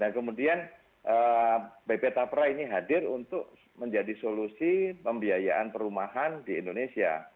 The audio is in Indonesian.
nah kemudian bp tapra ini hadir untuk menjadi solusi pembiayaan perumahan di indonesia